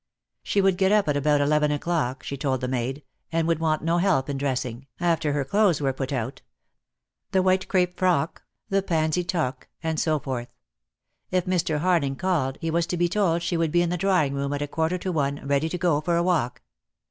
She would get up at about eleven o'clock, she told the maid, and would want no help in dressing, after her clothes were put out; the white crepe frock. 2;^2 DEAD LOVE HAS CHAINS. the pansy toque, and so forth. If Mr. Hading called, he was to be told she would be in the drawing room at a quarter to one ready to go for a walk.